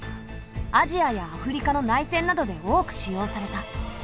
アジアやアフリカの内戦などで多く使用された。